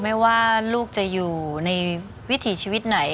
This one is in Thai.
ไม่ว่าลูกจะอยู่ในวิถีชีวิตไหน